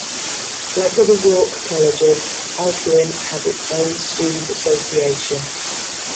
Like other York colleges, Alcuin has its own Student Association.